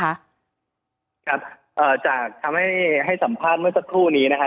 ครับจากทำให้สัมภาษณ์เมื่อสักครู่นี้นะคะ